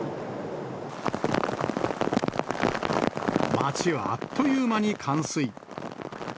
街はあっという間に冠水。